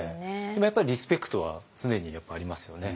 でもやっぱりリスペクトは常にありますよね。